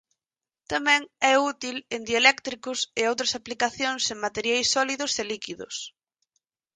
Tamén é útil en dieléctricos e outras aplicacións en materiais sólidos e líquidos.